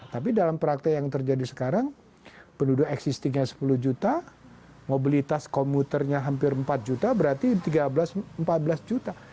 tapi dalam praktek yang terjadi sekarang penduduk existingnya sepuluh juta mobilitas komuternya hampir empat juta berarti empat belas juta